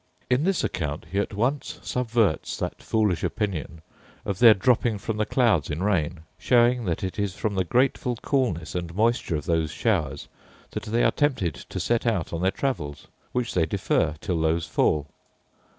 In this account he at once subverts that foolish opinion of their dropping from the clouds in rain; showing that it is from the grateful coolness and moisture of those showers that they are tempted to set out on their travels, which they defer till those fall.